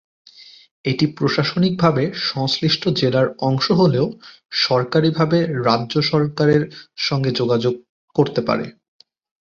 এটি প্রশাসনিকভাবে সংশ্লিষ্ট জেলার অংশ হলেও সরাসরিভাবে রাজ্য সরকারের সঙ্গে যোগাযোগ করতে পারে।